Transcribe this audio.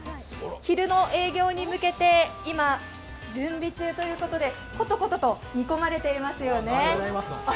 昼の営業に向けて今、準備中ということでコトコトと煮込まれていますよね。